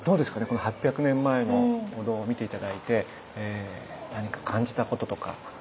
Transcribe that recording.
この８００年前のお堂を見て頂いて何か感じたこととか。